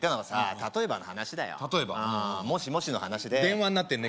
例えばの話だよ例えばもしもしの話で電話になってるね